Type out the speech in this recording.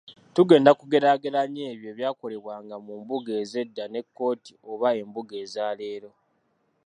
Tugenda kugeraageranya ebyo ebyakolebwanga mu mbuga ez’edda ne kkooti oba embuga eza leero.